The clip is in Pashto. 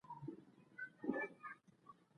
ځیني پیښې په زیات تفصیل بیانوي.